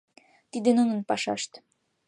Тиде нунын пашашт.